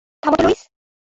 থামো তো, লুইস।